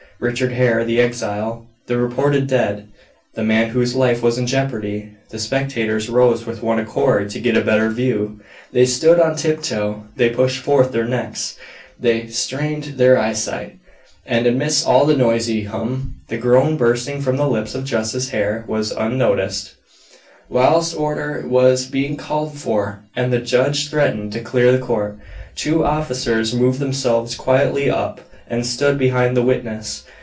Richard Hare, the exile the reported dead the man whose life was in jeopardy! The spectators rose with one accord to get a better view; they stood on tiptoe; they pushed forth their necks; they strained their eyesight: and, amidst all the noisy hum, the groan bursting from the lips of Justice Hare was unnoticed. Whilst order was being called for, and the judge threatened to clear the court, two officers moved themselves quietly up and stood behind the witness.